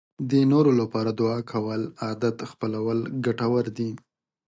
د نورو لپاره د دعا کولو عادت خپلول ګټور دی.